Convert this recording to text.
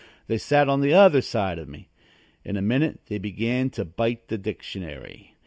They sat on the other side of me. In a minute they began to bite the dictionary.